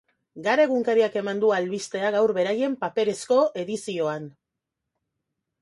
Gara egunkariak eman du albistea gaur beraien paperezko edizioan.